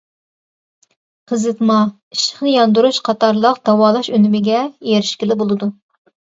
قىزىتما، ئىششىقنى ياندۇرۇش قاتارلىق داۋالاش ئۈنۈمىگە ئېرىشكىلى بولىدۇ.